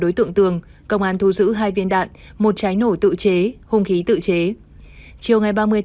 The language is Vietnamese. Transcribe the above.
đối tượng tường công an thu giữ hai viên đạn một trái nổ tự chế hung khí tự chế chiều ba mươi bảy